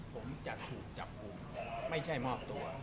ผมจะถูกจับกลุ่มไม่ใช่มอบตัว